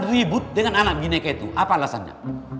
kau hibut dengan anak bineka itu apa alasannya